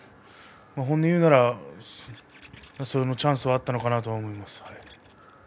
本音を言うならそのチャンスはあったのかなと思います。